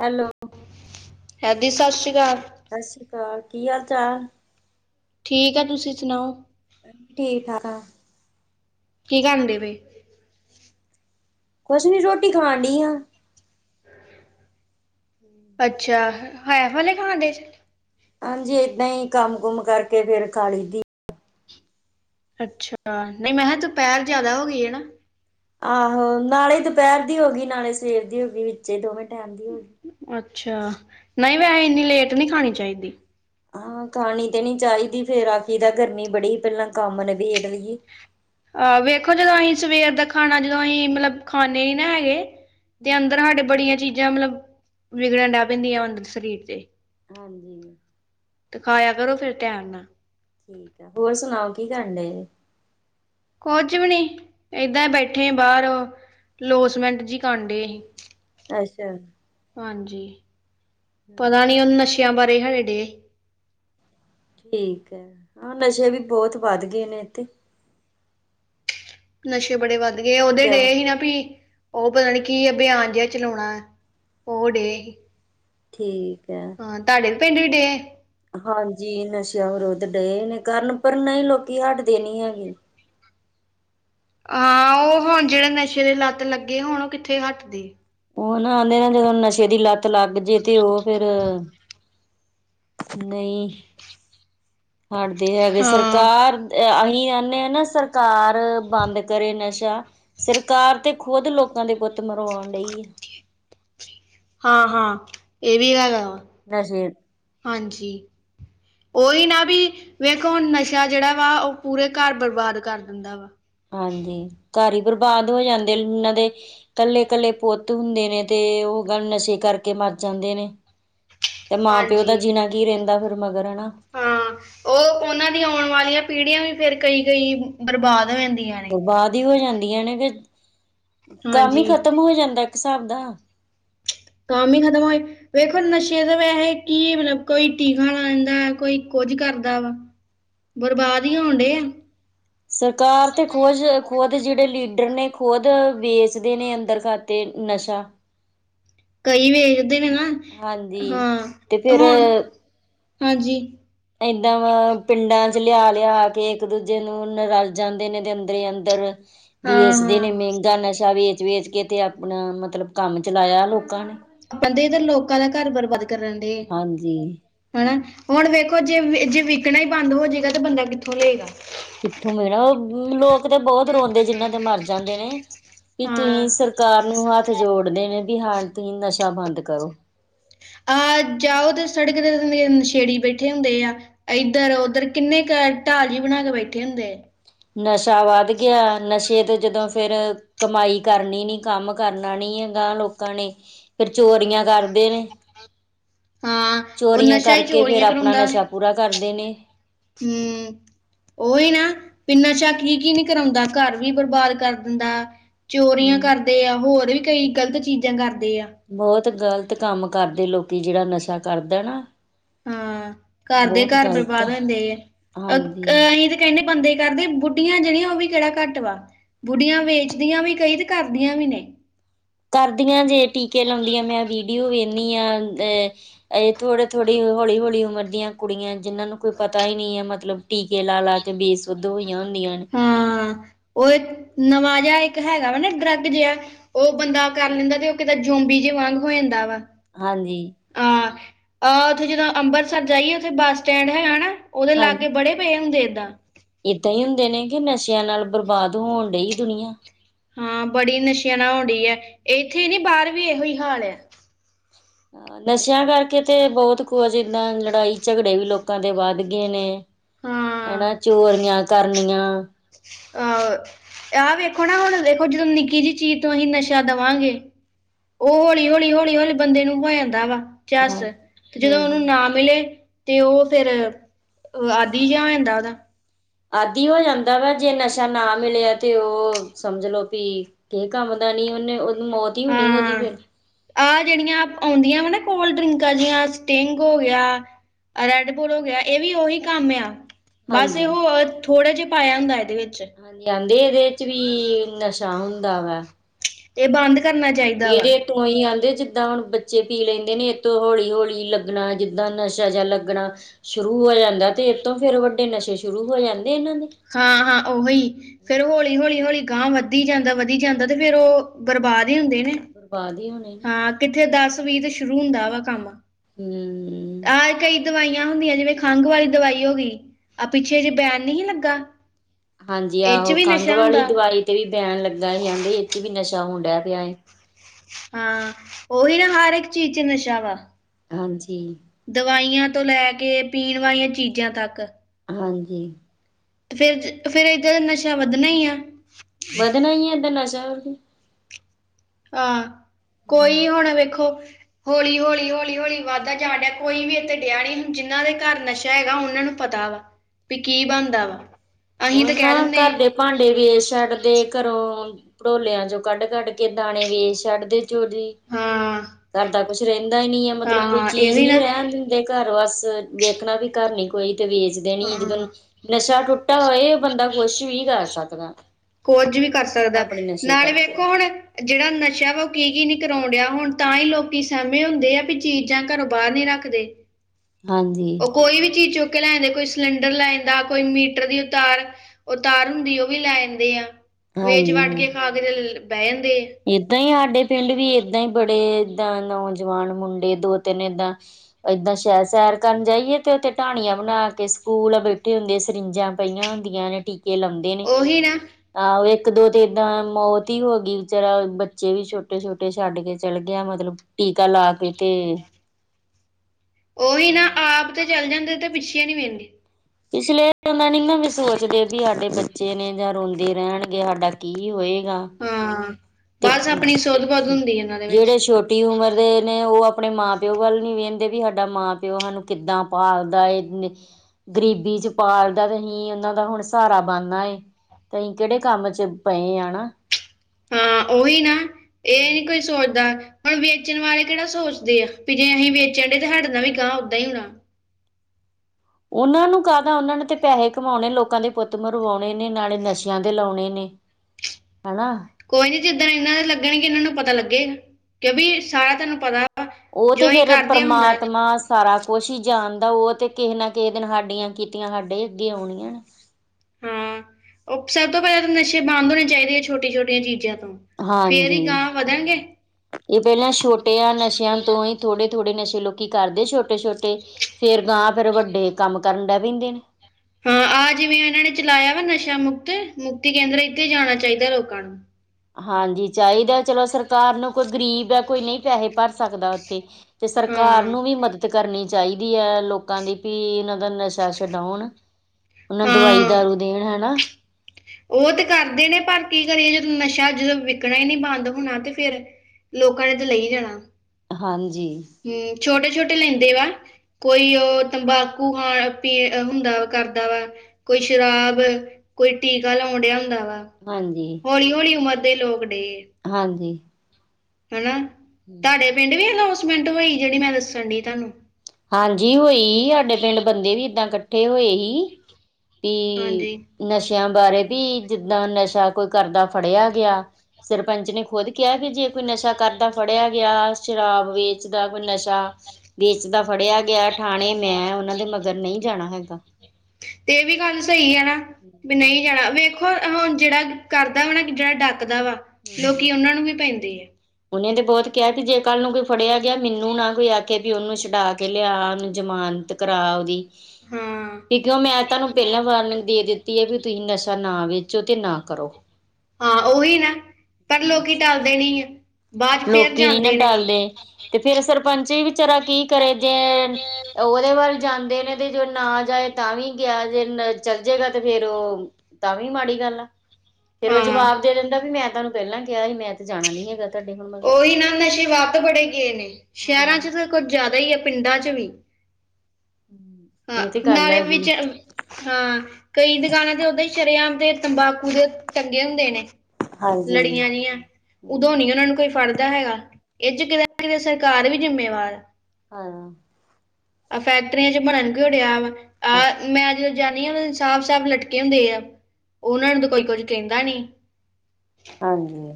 Hello, ਹੈਦੀ ਸਤਿ ਸ਼੍ਰੀ ਅਕਾਲ। ਸਤਿ ਸ਼੍ਰੀ ਅਕਾਲ, ਕੀ ਹਾਲ-ਚਾਲ? ਠੀਕ ਆ ਤੁਸੀਂ ਸੁਣਾਓ? ਠੀਕ ਠਾਕ। ਕੀ ਕਹਿੰਦੇ ਪਏ, ਕੁਛ ਨੀ ਰੋਟੀ ਖਵਾਣ ਡੀਆ, [inaudible] ਅੱਛਾ, ਇਹ ਵਾਲੇ ਖਾਂਦੇ ਹਾਂਜੀ, ਇਦਾਂ ਹੀ ਕੰਮ ਕੁਮ ਕਰਕੇ ਫੇਰ ਖਾਲੀ ਦੀ ਏ। ਅੱਛਾ, ਨਹੀਂ ਮੈਂ ਕਿਹਾ ਦੁਪਹਿਰ ਜਿਆਦਾ ਹੋ ਗਈ ਹੈ ਨਾ, ਆਹੋ ਨਾਲੇ ਦੁਪਹਿਰ ਦੀ ਹੋ ਗਈ ਨਾਲੇ ਸਵੇਰ ਦੀ ਹੋ ਗਈ ਵਿੱਚੇ ਦੋਵੇਂ ਟਾਈਮ ਦੀ ਹੋ ਗਈ। ਅੱਛਾ, ਨਹੀਂ ਵੈਸੇ ਇੰਨੀ ਲੇਟ ਨਹੀਂ ਖਾਣੀ ਚਾਹੀਦੀ। ਹਾਂ, ਖਾਣੀ ਤੇ ਨੀ ਚਾਹੀਦੀ, ਫੇਰ ਆਖੀਦਾ ਗਰਮੀ ਬੜੀ ਪਹਿਲਾਂ ਕੰਮ ਨੇ ਨਬੇੜੇ ਲਈ ਏ। ਆਹ ਵੇਖੋ ਜਦੋਂ ਅਸੀਂ ਸਵੇਰ ਦਾ ਖਾਣਾ ਜਦੋਂ ਅਸੀਂ ਮਤਲਬ ਖਾਂਨੇ ਨਹੀਂ ਨਾ ਹੈਗੇ, ਤੇ ਅੰਦਰ ਸਾਡੇ ਬੜੀਆਂ ਚੀਜ਼ਾਂ ਮਤਲਬ ਵਿਗੜਨ ਡ ਪੈਂਦੀਆ ਅੰਦਰ ਸਰੀਰ ਤੇ, [inaudible] ਤੇ ਖਾਇਆ ਕਰੋ ਫਿਰ ਧਿਆਰ ਨਾਲ, ਹੋਰ ਸੁਣਾਓ ਕੀ ਕਰਨ ਡੇ? ਕੁਝ ਵੀ ਨੀ ਇੰਦਾਂ ਬੈਠੇ ਬਾਹਰ ਲੋਸ ਮਿੰਟ ਜੀ ਕਰਨ ਡਏ ਸੀ। ਅੱਛਾ, ਹਾਂਜੀ, ਹੂੰ, ਪਤਾ ਨੀ ਉਹਨੂੰ ਨਸ਼ਿਆਂ ਬਾਰੇ ਹਲੇੇ ਡਏ। ਠੀਕ ਹੈ, ਹਾਂ, ਨਸ਼ੇ ਵੀ ਬਹੁਤ ਵੱਧ ਗਏ ਨੇ ਇੱਥੇ ਨਸ਼ੇ ਬੜੇ ਵੱਧ ਗਏ ਉਹਦੇ ਪੰਜਾਬ, ਡੇ ਹੀ ਨਾ ਵੀ ਉਹ ਪਤਾ ਨੀ ਕੀ ਅਭਿਆਨ ਜਿਹਾ ਚਲਾਉਣਾ ਉਹ ਹੈ ਡਏ ਹੀ ਠੀਕ ਹੈ। ਹਾਂ ਤੁਹਾਡੇ ਵੀ ਪਿੰਡ ਵੀ ਡਏ। ਹਾਂਜੀ ਨਸ਼ਿਆਂ ਵਿਰੁੱਧ ਡਏ ਨੇ ਕਰਨ ਪਰ ਨਹੀਂ ਲੋਕੀ ਹਟਦੇ ਨੀ ਹੈਗੇ। ਹਾਂ। ਉਹ ਹੁਣ ਜਿਹੜੇ ਨਸ਼ੇ ਦੇ ਲੱਤ ਲੱਗੇ। ਹੁਣ ਉਹ ਕਿੱਥੇ ਹੱਟਦੇ ਉਹ ਨਾ ਹਲੇ ਨਾ ਜਦੋਂ ਨਸ਼ੇ ਦੀ ਲੱਤ ਲੱਗ ਜੇ। ਤੇ ਉਹ ਫੇਰ ਨਹੀਂ ਹਟਦੇ ਹੈਗੇ ਹਾਂ ਸਰਕਾਰ ਅਸੀਂ ਆਨੇ ਹਾਂ ਨਾ ਸਰ ਸਰਕਾਰ ਬੰਦ ਕਰੇ ਨਸ਼ਾ ਸਰਕਾਰ ਤੇ ਖੁਦ ਲੋਕ ਨਾਲੇ ਪੁੱਤ ਮਰਵਾਉਣ ਡਈ ਆ। ਹਾਂ ਹਾਂ ਇਹ ਵੀ ਹੈਗਾ ਵਾ। ਨਸਿੜ ਹਾਂਜੀ। ਉਹੀ ਨਾ ਵੀ ਵੇਖੋ ਹੁਣ ਨਸ਼ਾ ਜਿਹੜਾ ਵਾ ਉਹ ਪੂਰੇ ਘਰ ਬਰਬਾਦ ਕਰ ਦਿੰਦਾ ਵਾ। ਹਾਂਜੀ ਘਰ ਹੀ ਬਰਬਾਦ ਹੋ ਜਾਂਦੇ ਉਹਨਾਂ ਦੇ ਕੱਲੇ-ਕੱਲੇ ਪੁਤ ਹੁੰਦੇ ਨੇ, ਤੇ ਔ ਗ ਨਸ਼ੇ ਕਰਕੇ ਮਰ ਜਾਂਦੇ ਨੇ। ਤੇ ਮਾਂ ਪਿਓ ਦਾ ਹਾਂਜੀ ਜੀਣਾ ਕੀ ਰਹਿੰਦਾ ਫਿਰ ਮਗਰ ਹਨਾ। ਹਾਂ ਉਹ ਉਹਨਾਂ ਦੀ ਆਉਣ ਵਾਲੀਆਂ ਪੀੜੀਆਂ ਵੀ ਫੇਰ ਕਈ ਕਈ ਬਰਬਾਦ ਹੋ ਜਾਂਦੀਆਂ ਨੇ ਬਾਅਦ ਹੀ ਹੋ ਜਾਂਦੀਆਂ ਨੇ ਫ ਕੰਮ ਹੀ ਹਾਂਜੀ ਖਤਮ ਹੋ ਜਾਂਦਾ ਇੱਕ ਹਿਸਾਬ ਦਾ ਕੰਮ ਹੀ ਖਤਮ ਹੋਏ। ਵੇਖੋ, ਨਸ਼ੇ ਦਾ ਵੈਹੇ ਕੀ ਮਤਲਬ ਕੋਈ ਟੀਕਾ ਲਾ ਲੈਂਦਾ ਐ, ਕੋਈ ਕੁੱਝ ਕਰਦਾ ਵਾ। ਬਰਬਾਦ ਹੀ, ਹੋੱਣ ਡੇ ਆ। ਸਰਕਾਰ, ਤੇ ਖੋਜ ਖੋਦ ਜੜੇ ਲੀਡਰ ਨੇ ਖੋਦ ਵੇਚਦੇ ਨੇ ਅੰਦਰ ਖਾਤੇ। ਅਤੇ ਨਸ਼ਾ ਕਈ ਵੇਖਦੇ ਨੇ, ਨਾ ਹਾਂਜੀ ਹਾਂ ਤੇ ਫਿਰ ਹੁਣ, ਹਾਂਜੀ। ਏਦਾਂ ਵਾ, ਪਿੰਡਾਂ ਚ ਲਿਆ-ਲਿਆ ਕੇ ਏੱਕ-ਦੂਜੇ ਨੂੰ ਨ ਰਲ ਜਾਂਦੇ ਨੇ, ਦੇ ਅੰਦਰ ਈ ਅੰਦਰ। ਹਾਂ ਵੇਚਦੇ ਹਾਂ ਨੇ ਮੇਂਗਾ ਨਸ਼ਾ ਵੇਚ-ਵੇਚ ਕੇ, ਤੇ ਆਪਣਾ ਮਤਲਬ, ਕੰਮ ਚਲਾਆ ਲੋਕਾਂ ਨੇ। ਆਪਾਂ ਤਾਂ ਇਧਰ ਲੋਕਾਂ ਦਾ ਘਰ ਬਰਬਾਦ ਕਰਨ ਡ ਹਾਂਜੀ ਹਨਾ ਹੁਣ ਵੇਖੋ ਜੇ ਜੇ ਵਿਕਣਾ ਹੀ ਬੰਦ ਹੋ ਜਾਏਗਾ ਤੇ ਬੰਦਾ ਕਿੱਥੋਂ ਲਏਗਾ। ਕਿੱਥੋਂ ਮਿਲਣਾ ਉਹ ਲੋਕ ਤੇ ਬਹੁਤ ਰੋਂਦੇ ਜਿੰਹਨਾਂ ਦੇ ਮਰ ਜਾਂਦੇ ਨੇ ਵੀ ਹਾਂ ਤੁਸੀਂ ਸਰ ਸਰਕਾਰ ਨੂੰ ਹੱਥ ਜੋੜਦੇ ਨੇ, ਵੀ ਹਾਂ, ਤੁਹੀਂ ਨਸ਼ਾ ਬੰਦ ਕਰੋ। ਆਂ ਜਾਔ, ਤੇ ਸੜਕ, ਤੇ [unintelligible] ਨਸ਼ੇੜੀ ਬੈਠੇ ਹੁੰਦੇ ਆ। ਏਧਰ-ਔਧਰ ਕਿੰਨੇ ਕ ਢਾਲ ਜੀ ਬਣਾ ਕੇ ਬੈਠੇ ਹੁੰਦੇ। ਨਸ਼ਾ ਵੱਧ ਗਆ, ਨਸ਼ੇ ਤੇ ਜਦੋਂ ਫਿਰ ਕਮਾਈ ਕਰਨੀ ਨੀ, ਕੰਮ ਕਰਨਾ ਨੀ, ਅਗਾ ਲੋਕਾਂ ਨੇ। ਫੇਰ ਚੋਰੀਆਂ ਕਰਦੇ ਨੇ। [inaudible] ਉਹ ਚੋਰੀਆਂ ਨਸ਼ਾ ਹੀ ਕਰਕੇ ਫੇਰ, ਚੋਰੀਆਂ ਆਪਣਾ ਨਸ਼ਾ ਪੂਰਾ ਕਰਦੇ ਨੇ। ਕੀ। ਔਈ ਨਾ, ਵੀ ਨਸ਼ਾ ਕੀ-ਕੀ ਨੀ ਕਰਾਂੳਦਾ। ਘਰ ਵੀ ਬਰਬਾਦ ਕਰ ਦਿੰਦਾ। ਚੋਰੀਆਂ ਹਮ ਕਰਦੇ ਆ ਹੋਰ ਵੀ ਕਈ ਗ਼ਲਤ ਚੀਜ਼ਾਂ ਕਰਦੇ ਆ ਬਹੁਤ ਗ਼ਲਤ ਕੰਮ ਕਰਦੇ ਲੋਕੀ ਜਿਹੜਾ ਨਸ਼ਾ ਕਰਦਾ ਨਾ ਹਾਂ ਉਹ ਘਰ ਦੇ ਬਹੁਤ ਘਰ ਗ਼ਲਤ ਬਰਬਾਦ ਹੁੰਦੇ ਆ ਅ ਹਾਂਜੀ ਅਸੀਂ ਤੇ ਕੈਂਦੇ, ਬੰਦੇ ਕਰਦੇ। ਬੁੱਡੀਆਂ ਜਿੜੀਆਂ, ਔ ਵੀ ਕੇੜਾ ਘਟ ਵਾ। ਬੁੱਡੀਆਂ ਵੇਚਦੀਆਂ ਵੀ ਕਈ ਤੇ ਕਰਦੀਆਂ ਵੀ ਨੇ ਕਰਦੀਆਂ ਜੇ ਟੀਕੇ ਲਾਉਂਦੀਆਂ ਮੈਂ ਵੀਡੀਓ ਵੇਂਦੀ ਹਾਂ ਅਹ ਐ, ਥੋੜ੍ਹੇ-ਥੋੜ੍ਹੀ, ਹੌਲੀ-ਹੌਲੀ ਉਮਰ ਦੀਆਂ ਕੁੜੀਆਂ, ਜਿਨਾਂ ਨੂੰ ਕੋਈ ਪਤਾ ਈ ਨੀ ਐ, ਮਤਲਬ ਟੀਕੇ ਲਾ-ਲਾ ਕੇ, ਬੇਸੁੱਧ ਹੋਈਆਂ ਹੁੰਦੀਆਂ ਨ। ਹਾਂ, ਔ ਏਕ ਨਵਾ ਜੇਆ ਏੱਕ ਹੈਗਾ ਵੇ ਨਾ, ਡਰਗ ਜੇਆ। ਔ ਬੰਦਾ ਕਰ ਲੈਂਦਾ, ਤੇ ਔ, ਕਿਤੇ ਜੋੋਂਬੀ ਜੇ ਵਾਂਗ ਹੋ ਜਾਂਦਾ ਵਾ। ਹਾਂਜੀ। ਆਂ, ਆ ਉੱਥੇ, ਜਦੋਂ ਅਬੰਰਸਰ ਜਾਈਏ, ਉੱਥੇ ਬੱਸ ਸਟੈਂਡ ਹੈਗਾ ਨਾ, ਔਦੇ ਹਾਂਜੀ ਲਾਗੇ ਬੜੇ ਪੇ ਹੁੰਦੇ ਏਦਾਂ। ਏਦਾਂ ਈ ਹੁੰਦੇ ਨੇ, ਕਿ ਨਸ਼ਿਆਂ ਨਾਲ ਬਰਬਾਦ ਹੋਣ ਡਈ ਦੁਨੀਆਂ। ਹਾਂ, ਬੜੀ ਨਸ਼ਿਆਂ ਨਾਲ ਹੋਣ ਡੀ ਐ। ਏੱਥੇ ਨੀ ਬਾਰ ਵੀ ਏੱਹੋ ਹੀ ਹਾਲ ਐ। ਨਸ਼ਿਆਂ ਕਰਕੇ ਤੇ ਬਹੁਤ ਕੁਝ ਏਦਾਂ ਲੜਾਈ ਝਗੜੇ ਵੀ ਲੋਕਾਂ ਦੇ ਵੱਧ ਗਏ ਨੇ ਹਾਂ ਹਨਾ ਚੋਰੀਆਂ ਕਰਨੀਆਂ, ਆਂ ਆਹ ਵੇਖੋ ਨਾ ਹੁਣ ਦੇਖੋ, ਜਦੋਂ ਨਿੱਕੀ ਜਿਹੀ ਚੀਜ਼ ਤੋਂ ਅਸੀਂ ਨਸ਼ਾ ਦੇਵਾਂਗੇ ਉਹ ਹੌਲੀ, ਹੌਲੀ, ਹੌਲੀ, ਹੌਲੀ ਬੰਦੇ ਨੂੰ ਹੋ ਜਾਂਦਾ ਵਾ- ਚੱਸੱ ਹਮ ਜਦੋਂ ਔਨੂੰ ਹਮ ਨਾ ਮਿਲੇ, ਤੇ ਔ ਫੇਰ ਉਹ ਆਦਿ ਜਿਹਾ ਹੋ ਜਾਂਦਾ ਉਹਦਾ ਆਦਿ ਹੋ ਜਾਂਦਾ ਵਾ। ਜੇ ਨਸ਼ਾ ਨਾ ਮਿਲਿਆ, ਤੇ ਔ ਸਮਝ ਲੋ ਵੀ ਕੇ ਕੰਮ ਦਾ ਨੀ, ਔਨੇ-ਔਨੂੰ ਮੌਤ ਹੀ ਹੋਣੀ ਏ ਆਂ ਜੜੀਆਂ ਆਉਂਦੀਆਂ ਵਾ ਨਾ, ਕੋਲਡ ਡਰਿੰਕਾਂ ਜੀਆਂ ਸਟਿੰਗ ਹੋ ਗਿਆ। ਰੈਡ ਬੋਲ ਹੋ ਗਿਆ, ਇਹ ਵੀ ਉਹੀ ਕੰਮ ਆ ਬਸ, ਹਾਂਜੀ ਏਹੋ ਥੋੜਾ ਜ ਪਾਏਆ ਹੁੰਦਾ ਏਦੇ ਵਿੱਚ। ਹਾਂਜੀ, ਆਂਦੇ ਏੱਦੇ ਚ ਵੀ ਨਸ਼ਾ ਹੁੰਦਾ ਵਾ। ਇਹ ਬੰਦ ਕਰਨਾ ਚਾਹੀਦਾ ਵਾ ਤੋਂੋਂ ਹੀ ਆਉਂਦੇ, ਜਿੱਦਾਂ ਹੁਣ ਬੱਚੇ ਪੀ ਲੈਂਦੇ ਨੇ ਇੱਥੋਂ ਹੌਲੀ ਹੌਲੀ ਲੱਗਣਾ ਜਿੱਦਾਂ ਨਸ਼ਾ ਜਿਹਾ ਲੱਗਣਾ ਸ਼ੁਰੂ ਹੋ ਜਾਂਦਾ ਤੇ ਇਹਤੋਂ ਫੇਿਰ ਵੱਡੇ ਨਸ਼ੇ ਸ਼ੁਰੂ ਹੋ ਜਾਂਦੇ ਇਹਨਾਂ ਦੇ ਹਾਂ ਹਾਂ, ਉਹੀ ਫੇਰ ਹੌਲੀ ਹੌਲੀ ਹੌਲੀ ਗਾਂਹ ਵੱਧੀ ਜਾਂਦਾ, ਵਧੀ ਜਾਂਦਾ ਤੇ ਫੇਰ ਉਹ ਬਰਬਾਦ ਹੀ ਹੁੰਦੇ ਨੇ ਬਰਬਾਦ ਹੀ ਹੋਣੀ ਹਾਂ ਕਿੱਥੇ ਦਸ-ਵੀ, ਤੇ ਸ਼ੁਰੂ ਹੁੰਦਾ ਵਾ ਕਾੰਮ। ਹਮ ਆਹ ਕਈ ਦਵਾਈਆਂ ਹੁੰਦੀਆਂ, ਜਿਵੇਂ ਖੰਘ ਵਾਲੀ ਦਵਾਈ ਹੋ ਗਈ ਆਹ ਪਿੱਛੇ ਜੇ ਬੈਨ ਨਹੀਂ ਲੱ [unintelligible] ਲੱਗਾ ਹਾਂਜੀ ਇਹ ਚ ਆਹੋ, ਵੀ ਖੰਘ ਨਸ਼ਾ ਵਾਲੀ ਹੁੰਦਾ ਦਵਾਈ ਤੇ ਵੀ ਬੈਣ ਲੱਗਾ ਹੀ ਕਹਿੰਦੇ ਇਹ ਚ ਵੀ ਨਸ਼ਾ ਹੋ ਡਿਆ ਪਿਆ ਹੈਏ ਹਾਂ, ਔਹੀ ਨਾ, ਹਰ ਏੱਕ ਚੀਜ਼ ਚ ਨਸ਼ਾ ਵਾ। ਹਾਂਜੀ। ਦਵਾਈਆਂ ਤੋਂ ਲੈ ਕੇ, ਪੀਣ ਵਾਲੀਆਂ ਚੀਜ਼ਾਂ ਤੱਕ। ਹਾਂਜੀ। ਫੇਰ ਫੇਿਰ ਇਏਦਾਂ ਦਾ ਨਸ਼ਾ ਵੱਧਣਾ ਹੀ ਆ ਵੱਧਣਾ ਈ ਐ, ਏਦਾਂ ਨਸ਼ਾ। ਹਾਂ, ਕੋਈ ਹੁਣ ਵੇਖੋ ਹੌਲੀ ਹੌਲੀ ਹੌਲੀ ਹੌਲੀ ਵਾਧਾ ਜਾ ਡਿਆ, ਕੋਈ ਵੀ ਇੱਥੇ ਡਿਆ ਨਹੀਂੀ ਹੁਣ ਜਿਹਨਾਂ ਦੇ ਘਰ ਨਸ਼ਾ ਹੈਗਾ, ਉਹਨਾਂ ਨੂੰ ਪਤਾ ਵਾ ਵੀ, ਕੀ ਬਣਦਾ ਵਾ। ਅਸੀਂ ਉਹ ਤਾਂ ਕਹਿ ਨਾ, ਦਿੰਦੇ ਘਰ ਦੇ ਭਾਂਡੇ ਵੇਚ ਛੱਡਦੇ ਘਰੋਂ ਭੋਲਿਆਂ ਚੋਂ ਕੱਢ ਕੱਢ ਕੇ ਦਾਣੇ ਵੇਚ ਛੱਡਦੇ ਚੋਰੀ ਹਾਂ ਹਾਂ ਘਰ ਦਾ ਕੁੱਛ ਰਹਿੰਦਾ ਹੀ ਨਹੀਂੀ ਹੈ, ਮਤਲਬ ਹਾਂ ਕੋਈ ਹਾਂ ਇਹੋ ਚੀਜ਼ ਹੀ ਨਹੀਂੀ ਨਾ ਰਹਿਣ ਦੇਂਦੇ ਦੇ ਘਰ ਬਸ ਵੇਖਣਾ ਵੀ ਘਰ ਨੀ ਕੋਈ, ਤੇ ਵੇਚ ਦੇਣੀ ਜਦੋਂ ਹਾਂ ਨਸ਼ਾ ਟੁੱਟ ਤਾਂ ਏ ਬੰਦਾ ਕੁਛ ਵੀ ਕਰ ਸਕਦਾ। ਕੁਜ ਵੀ ਕਰ ਸਕਦਾ, ਆਪਣੇ ਨਸ਼ੇ ਨਾਲੇ ਕਰਕੇ ਵੇਖੋ ਹੁਣ- ਜਿਹੜਾ ਨਸ਼ਾ ਵਾ ਉਹ ਕੀ ਕੀ ਨਹੀਂ ਕਰਾਉਣ ਡਿਆ, ਹੁਣ ਤਾਂ ਹੀ ਲੋਕ ਸਹਿਮ ਹੁੰਦੇ ਆ ਵੀ ਚੀਜ਼ਾਂ ਘਰੋਂ ਬਾਹਰ ਨਹੀਂ ਰੱਖਦੇ [inaudible] ਹਾਂਜੀ ਕੋਈ ਵੀ ਚੀਜ਼ ਚੁੱਕ ਕੇ ਲੈ ਜਾਂਦੇ, ਕੋਈ ਸਿਲੰਡਰ ਲਾ ਜਾਂਦਾ ਕੋਈ ਮੀਟਰ ਦੀ ਤਾਰ ਔ ਤਾਰ ਹੁੰਦੀ ਔ, ਵੀ ਲੈ ਜਾਂਦੇ ਆ, ਵੇਚ ਵੱਟ ਹਾਂਜੀ ਕੇ ਖਾ ਕੇ, ਤੇ ਬੈ ਜਾਂਦੇ ਆ। ਏਦਾਂ ਈ ਹਾਡੇ, ਪਿੰਡ ਵੀ ਏਦਾਂ ਹੀ, ਬੜੇ ਏਦਾਂ ਨੌਜਵਾਨ ਮੁੰਡੇ, ਦੋ-ਤਿਨ ਏਦਾਂ ਏਦਾਂ, ਸ਼ੈਰ- ਸੈਰ ਕਰਨ ਜਾਈਏ, ਤੇ ਉੱਥੇ ਟਾਣੀਆਂ ਬਣਾ ਕੇ ਸਕੂਲ ਬੈਠੇ ਹੁੰਦੇ, ਸਰਿੰਜਾਂ ਪਈਆਂ ਹੁੰਦੀਆਂ ਨੇ, ਟੀਕੇ ਲਾਉਂਦੇ ਨੇ, ਉਹੀ ਨਾ ਆਹੋ, ਇੱਕ- ਦੋ ਤੇ ਏਦਾਂ ਮੌਤ ਹੀ ਹੋ ਗਈ। ਵਿਚਾਰਾਂ ਬੱਚੇ ਵੀ ਛੋਟੇ- ਛੋਟੇ ਛੱਡ ਕੇ, ਚਲ ਗਿਆ ਮੱਤਲਬ ਟੀਕਾ ਲਾ ਕੇ ਤੇ ਔਈ ਨਾ ਆਪ, ਤੇ ਚੱਲ ਜਾਂਦੇ, ਤੇ ਪਿੱਛੇ ਨੀ ਵੇੰਦੇ। ਪਿਛਲੇ, ਉਹਦਾ ਨਈ ਨਾ ਵੀ ਸੋਚਦੇ, ਵੀ ਸਾਡੇ ਬੱਚੇ ਜੇ ਇੰਜੇ ਜਾਂ ਰੋਂਦੇ ਰਹਿਣਗੇ ਸਾਡਾ ਕੀ ਹੋਏਗਾ। ਹਾਂ ਬਸ, ਤੇ ਆਪਣੀ ਸੁਧ -ਬਧ ਹੁੰਦੀ ਏ ਇਹਨਾਂ ਦੇ ਵਿੱਚ ਜਿਹੜੇ ਛੋਟੀ ਉਮਰ ਦੇ ਨੇ, ਔ ਅਪਣੇ ਮਾਂ-ਪਿਓ ਵੱਲ ਨੀ, ਵੇੰਦੇ ਵੀ ਸਾਡਾ ਮਾਂ-ਪਿਓ ਸਾਨੂੰ ਕਿੱਦਾਂ ਪਾਲਦਾ ਏ, ਗਰੀਬੀ ਚ ਪਾਲਦਾ, ਤੇ ਅਹੀ ਉਨਾਂ ਦਾ ਹੁਣ ਸਾਰਾ ਬਣਨਾ ਏ। ਅਸੀ ਜਿਹੜੇ ਕੰਮ 'ਚ ਪਏ ਆ ਨਾ, ਹਾਂ ਔਈ ਨਾ, ਏ ਨੀ ਕੋਈ ਸੋਚਦਾ। ਹੁਣ ਵੇਚਣ ਵਾਲੇ ਕਿਹੜਾ ਸੋਚਦੇ ਆ ਵੀ, ਜੇ ਅਹੀਂ ਵੇਚਣ ਡੇ, ਤੇ ਹਾਡੇ ਨਾਲ ਵੀ ਗਾਂ ਔਦਾਂ ਹੀ ਹੋਣਾ। ਉਹਨਾਂ ਨੂੰ ਕਾਹਦਾ, ਉਹਨਾਂ ਨੇ ਤੇ ਪੈਸੇ ਕਮਾਉਣੇ ਨੇ, ਲੋਕਾਂ ਦੇ ਪੁੱਤ ਮਰਵਾਉਣੇ ਨੇ, ਨਾਲੇ ਨਸ਼ਿਆਂ ਦੇ ਲਾਉਣੇ ਨੇ, ਹਨਾ। ਕੋਈ ਨੀ, ਜਿੱਦਾਂ ਇਹਨਾ ਦੇ ਲੱਗਣਗੇ, ਇਹਨਾਂ ਨੂੰ ਪਤਾ ਲੱਗੇਗਾ, ਕਿਉਂਕਿ, ਸਾਰਾ ਤੁਹਾਨੂੰ ਪਤਾ ਵਾ, ਉਹ ਤੇ ਜੋ ਅਸੀਂ ਫੇਰ ਕਰਦੇ ਹੁੰਦਾ ਹੈ, ਪਰਮਾਤਮਾ ਸਾਰਾ ਕੁਛ ਈ ਜਾਣਦਾ, ਉਹ ਤੇ ਕਿਹੇ ਨਾ ਕਿਹੇ ਦਿਨ ਸਾਡੀਆਂ ਕੀਤੀਆਂ, ਸਾਡੇ ਅੱਗੇ ਆਉਣੀਆਂ। ਹਾਂ, ਉਹ ਸਭ ਤੋਂ ਪਹਿਲਾਂ ਤਾਂ ਨਸ਼ੇ ਬੰਦ ਹੋਣੇ ਚਾਹੀਦੇ, ਆ ਛੋਟੀੀਆਂ ਛੋਟੀਆਂ ਚੀਜ਼ਾਂ ਤੋਂ ਫੇਰ ਹੀ ਹਾਂਜੀ, ਗਾਂਹ ਵਧਣਗੇ ਇਹ ਪਹਿਲਾਂ ਛੋਟਿਆਂ ਨਸ਼ਿਆਂ ਤੋਂ ਹੀ ਥੋੜੇ-ਥੋੜੇ ਨਸ਼ੇ ਲੋਕੀ ਕਰਦੇ ਛੋਟੇ-ਛੋ ਤੇ ਫੇਰ ਗਾਂ, ਫੇਰ ਵੱਡੇ ਕੰਮ ਕਰਨ ਲੈ ਬੈਂਦੇ ਨੇ। ਹਾਂ ਆਹ ਜਿਵੇਂ, ਇਹਨਾਂ ਨੇ ਚਲਾਇਆ ਵਾ ਨਸ਼ਾ ਮੁਕਤ- ਮੁਕਤੀ ਕੇਂਦਰ, ਇੱਥੇ ਜਾਣਾ ਚਾਈਦਾ ਲੋਕਾਂ ਨੂੰ। ਹਾਂਜੀ, ਚਾਈਦਾ ਚਲੋ ਸਰਕਾਰ ਨੂੰ ਕੋਈ ਗਰੀਬ ਐ, ਕੋਈ ਨਈ ਪੈਸੇ, ਭਰ ਸਕਦਾ ਉੱਥੇ। ਤੇ ਸਰਕਾਰ ਹਾਂ ਨੂੰ, ਵੀ ਮਦਦ ਕਰਨੀ ਚਾਈਦੀ, ਐ ਲੋਕਾਂ ਦੀ ਪੀ ਇਹਨਾਂ, ਦਾ ਨਸ਼ਾ ਛਡਾਉਣ। ਉਹ ਨੂੰ, ਦਵਾਈ ਹਾਂ ਦਾਰੂ ਦੇਣ ਹਨਾ। ਉਹ ਤੇ ਕਰਦੇ ਨੇ, ਪਰ ਕੀ ਕਰੀਏ ਜਦੋਂ ਨਸ਼ਾ ਜਦੋਂ ਵਿਕਣਾ ਈ ਨੀ ਬੰਦ ਹੋਣਾ, ਤੇ ਫੇਰ। ਲੋਕਾਂ ਨੇ ਤਾ ਲਈ ਜਾਣਾ। ਹਾਂਜੀ? ਹੂੰ ਛੋਟੇ-ਛੋਟੇ ਲੈਂਦੇ ਵਾ। ਕੋਈ, ਉਹ ਤੰਬਾਕੂ ਖਾ ਪੀ ਹੁੰਦਾ, ਵਾ ਕਰਦਾ ਵਾ ਕੋਈ ਸ਼ਰਾਬ। ਕੋਈ ਟੀਕਾ ਲਾਉਣ ਡਿਆ ਹੁੰਦਾ ਵਾ, ਹਾਂਜੀ ਹੌਲੀ-ਹੌਲੀ ਉਮਰ ਦੇ ਲੋਕ ਡੇ। ਹਾਂਜੀ। ਹਨਾ, ਤੁਹਾਡੇ ਪਿੰਡ ਵੀ ਹੈ ਨਾ ਅਨੋਸਮੈਂਟ ਹੋਈ, ਜਿਹੜੀ ਮੈਂ ਦੱਸਣ ਡ ਤੁਹਾਨੂੰ? ਹਾਂਜੀ, ਹੋਈ ਹਾਡੇ ਪਿੰਡ ਬੰਦੇ ਵੀ ਏਦਾਂ ਕੱਠੇ ਹੋਏ ਹੀ, ਵੀ ਹਾਂਜੀ ਨਸ਼ਿਆਂ ਬਾਰੇ ਵੀ, ਜਿੱਦਾਂ ਨਸ਼ਾ ਕੋਈ ਕਰਦਾ ਫੜਿਆ ਗਿਆ, ਸਰਪੰਚ ਨੇ ਖੁਦ ਕਿਹਾ ਕਿ, ਜੇ ਕੋਈ ਨਸ਼ਾ ਕਰਦਾ ਫੜਿਆ ਗਿਆ, ਸ਼ਰਾਬ ਵੇਚਦਾ, ਕੋਈ ਨਸ਼ਾ ਜਿਹਦਾ ਫੜਿਆ ਗਿਆ, ਠਾਣੇ ਉਹਨਾਂ ਦੇ ਮਗਰ ਨਈ ਜਾਣਾ ਹੈਗਾ। ਤੇ, ਇਹ ਵੀ ਗੱਲ ਸਹੀ ਹੈ ਨਾ, ਵੀ ਨਹੀਂ ਜਾਣਾ, ਵੇਖੋ ਹੁਣ ਜਿਹੜਾ ਕਰਦਾ ਵਾ ਨਾ ਜਿਹੜਾ, ਡੱਕਦਾ ਵਾ ਹਮ ਸੋਕੀ ਉਹਨਾ ਨੂੰ ਵੀ ਪੈਂਦੀ ਐ। ਉਹਨੇ ਤੇ ਬਹੁਤ ਕਿਹਾ, ਕਿ ਜੇ ਕੱਲ ਨੂੰ ਕੋਈ ਫੜਿਆ ਗਿਆ, ਮੈਨੂੰ ਨਾ ਕੋਈ ਆ ਕਹਿਦੀ ਦੀ ਉਹ ਨੂੰ ਛਡਾ ਕੇ ਲਿਆ, ਉਹਨੂੰ ਜਮਾਨਤ ਕਰਾ ਉਹਦੀ ਹਾਂ ਕਿਉਂ ਕਿ, ਮੈਂ ਤੁਹਾਨੂੰ ਪਹਿਲਾਂ ਵਾਰਨਿੰਗ ਦੇ ਦਿੱਤੀ ਏ, ਵੀ ਤੁਸੀਂ ਨਸ਼ਾ ਅੱਛਾ, ਨਾ ਵੇਚੋ, ਅਤੇ ਨਾ ਕਰੋ। ਹਾਂ ਉਹੀ ਨਾ, ਪਰ ਲੋਕੀ ਟਲਦੇ ਨੀ ਆ, ਬਾਅਦ 'ਚ ਫੇਰ ਲੋਕੀ ਨੀ ਨਾ ਜਾਂਦੇ ਨੇ। ਟਾਲਦੇ ਤੇ ਫੇਰ, ਸਰਪੰਚ ਵੀ ਵਿਚਾਰਾ ਕੀ ਕਰੇ ਜੇ ਉਹਦੇ ਵਾਰੇ ਜਾਂਦੇ ਨੇ, ਤੇ ਜੋ ਨਾ ਜਾਏ ਤਾਂ ਵੀ ਗਿਆ ਜੇ ਚੱਲ, ਜਾਏਗਾ ਤੇ ਫੇਰ ਉਹ ਤਾਂ ਵੀ ਮਾੜੀ ਗੱਲ ਆ, ਫੇਰ ਉਹ ਜਵਾਬ ਹਾਂ ਦੇ ਦਿੰਦਾ ਵੀ, ਮੈਂ ਤੁਹਾਨੂੰ ਪਹਿਲਾਂ ਕਿਹਾ ਹੀ ਮੈਂ ਤੇ ਜਾਣਾ ਨੀ ਹੈਗਾ ਤੁਹਾਡੇ ਹੁਣ ਮਗਰ ਉਹੀ ਨਾ, ਨਸ਼ੇ ਵਧ ਬੜੇ ਗਏ ਨੇ, ਸ਼ਹਿਰਾਂ ਹਾਂ ਚ ਤਾਂ ਕੁੱਝ ਜ਼ਿਆਦਾ ਈ, ਆ ਪਿੰਡਾਂ 'ਚ ਵੀ। ਹੂੰ ਹਾਂ, ਨਾਲੇ ਵਿੱਚ ਹਾਂ ਕਈ ਦੁਕਾਨਾਂ ਤੇ ਉਦਾ ਈ ਸ਼ਰੇਆਮ ਤੇ ਤੰਬਾਕੂ ਦੇ ਟੰਗੇ ਹੁੰਦੇ ਨੇ। ਹਾਂਜੀ ਲੜੀਆਂ ਜਿਆਂ ਹਮ ਉਦੋਂ ਨੀ ਉਹਨਾਂ ਨੂੰ ਕੋਈ ਫਰਦ ਹੈਗਾ ਇਹ ਚ ਕਿਤੇ ਨਾ ਕਿਤੇ ਸਰਕਾਰ ਵੀ ਜਿੰਮੇਵਾਰ ਹਾਂ ਆ ਫੈਕਟਰੀਆਂ'ਚ ਬਰੰਕ ਈ ਉੜਿਆ ਵਾ, ਆਹ ਮੈਂ ਅਜ ਜਾ [unintelligible] ਨੀ ਆਹ ਵੀ ਸਾਫ਼-ਸਾਫ਼ ਲਟਕੇ ਹੁੰਦੇ ਆ ਉਹਨਾਂ ਨੂੰ ਤਾਂ ਕੋਈ ਕੁੱਝ ਕਹਿੰਦਾ ਨੀ। ਹਾਂਜੀ।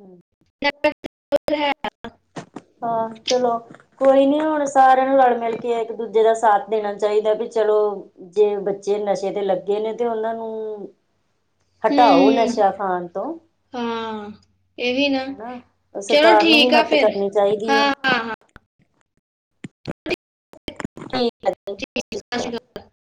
ਹਮ ਨਾ ਕਰ ਹਾਂ ਚਲੋ ਕੋਈ ਨੀ ਹੁਣ ਸਾਰਿਆਂ ਨੂੰ ਰਲ ਮਿਲ ਕੇ ਇੱਕ-ਦੂਜੇ ਦਾ ਸਾਥ ਦੇਣਾ ਚਾਈਦਾ ਵੀ ਚਲੋ ਜੇ ਬੱਚੇ ਨਸ਼ੇ ਤੇ ਲੱਗੇ ਨੇ ਤੇ ਉਹਨਾਂ ਨੂੰ ਹਟਾਓ ਨਸ਼ਾ ਹੂੰ ਖਾਨ ਤੋਂ ਹਾਂ ਇਹ ਹੀ ਨਾ, ਹਨਾ ਚਲੋ ਸਰਕਾਰ ਨੂੰ ਵੀ ਠੀਕ ਆ ਮਦਦ ਫੇਰ ਕਰਨੀ ਚਾਹੀਦੀ ਹੈ ਹਾਂ। ਹਾਂ ਹਾਂ ਸਈ ਠੀ ਸਤਿ ਸ਼੍ਰੀ ਅਕਾਲ। [unintelligible]